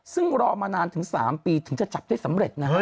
ซึ่งรอมานานถึง๓ปีถึงจะจับได้สำเร็จนะฮะ